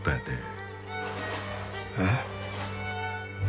えっ？